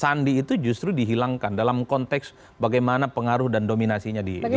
sandi itu justru dihilangkan dalam konteks bagaimana pengaruh dan dominasinya di